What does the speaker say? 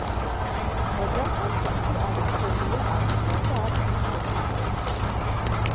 მაგრამ ამ სახლში არ უცხოვრია არც მას და არც მის მემკვიდრეს.